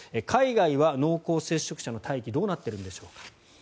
海外は濃厚接触者の待機どうなっているんでしょうか。